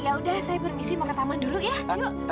ya udah saya bermisi mau ke taman dulu ya yuk